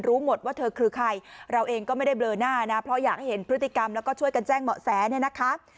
หมดว่าเธอคือใครเราเองก็ไม่ได้เบลอหน้านะเพราะอยากให้เห็นพฤติกรรมแล้วก็ช่วยกันแจ้งเหมาะแสเนี่ยนะคะ